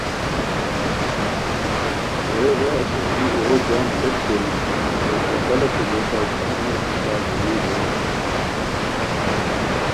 رے را اسور کی اوغو جم پیݯ کوری تو کپالہ کی دریتاؤ تہ نانو کپال روئیر رے اسور